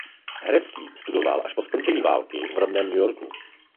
Herectví studoval až po skončení války v rodném New Yorku.